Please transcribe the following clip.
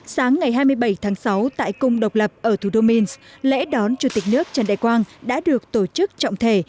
sáng ngày hai mươi bảy tháng sáu tại cung độc lập ở thủ đô minsk lễ đón chủ tịch nước trần đại quang đã được tổ chức trọng thể